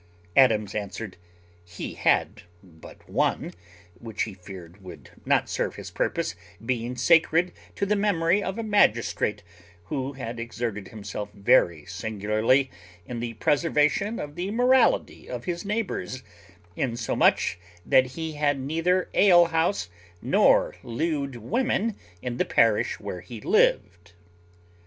Adams answered, "He had but one, which he feared would not serve his purpose, being sacred to the memory of a magistrate, who had exerted himself very singularly in the preservation of the morality of his neighbours, insomuch that he had neither alehouse nor lewd woman in the parish where he lived."